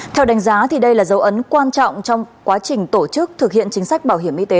theo đánh giá đây là dấu ấn quan trọng trong quá trình tổ chức thực hiện chính sách bảo hiểm y tế